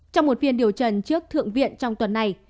trong một phiên điều trần trước thượng viện trong tuần này